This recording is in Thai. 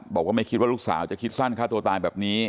บอกว่าไม่คิดว่าลูกสาวจะคิดสั้นฆ่าตัวตายแบบนี้